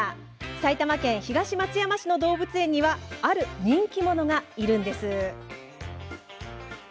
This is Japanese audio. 埼玉県東松山市の動物園にはある人気者がいるんです。